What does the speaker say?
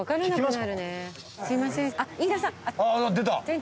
出た。